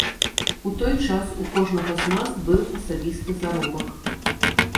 У той час у кожнага з нас быў асабісты заробак.